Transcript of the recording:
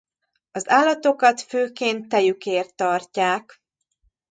Az állatokat főként tejükért tartják.